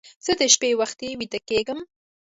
زه د شپې وختي ویده کېږم